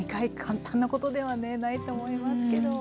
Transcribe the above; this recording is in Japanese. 簡単なことではねないと思いますけど。